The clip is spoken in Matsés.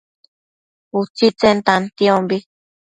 utsitsen tantiombi